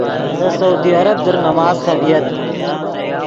دے سعودی عرب در نماز خبییت۔